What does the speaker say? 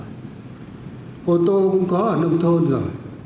cô tô cũng có ở nông thôn rồi